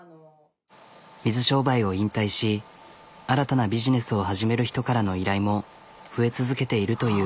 水商売を引退し新たなビジネスを始める人からの依頼も増え続けているという。